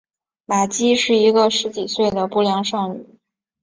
玛姬是一个十几岁的不良少女。